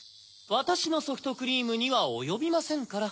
わたしのソフトクリームにはおよびませんから。